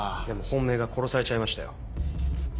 でも本命が殺されちゃいましたよ。